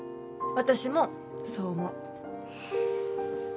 私もそう思う。